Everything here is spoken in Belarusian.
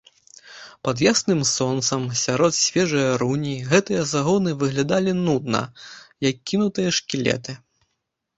Пад ясным сонцам, сярод свежае руні гэтыя загоны выглядалі нудна, як кінутыя шкілеты.